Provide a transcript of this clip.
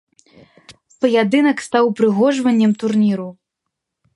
Паядынак стаў упрыгожваннем турніру.